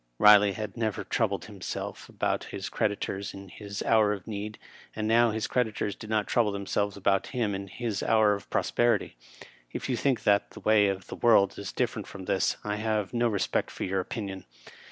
Eiley had never troubled him seK about his creditors in his hour of need, and now his creditors did not trouble themselves about him in his hour of prosperity. K you think that the way of the world is diflEerent from this, I have no respect for your opinion.